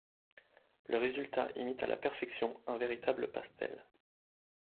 Le résultat imite à la perfection un véritable pastel.